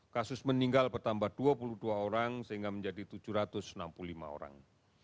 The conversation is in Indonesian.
kasus meninggal bertambah dua puluh dua orang sehingga menjadi tujuh ratus enam puluh lima orang